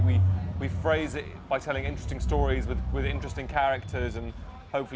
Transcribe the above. tapi kita menerima itu dengan menceritakan cerita yang menarik dengan karakter yang menarik